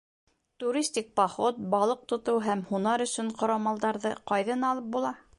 Туристик поход, балыҡ тотоу һәм һунар өсөн ҡорамалдарҙы ҡайҙан алып була?